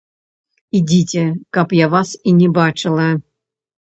Ідзіце, каб я вас і не бачыла!